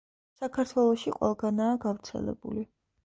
საქართველოში ყველგანაა გავრცელებული.